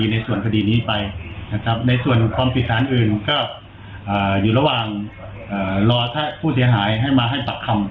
ในส่วนความผิดสารอื่นก็อยู่ระหว่างรอผู้เสียหายให้มาให้ปักคำ